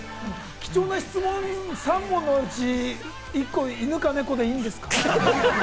貴重な質問３問のうち、一個が犬か猫かでいいんですか？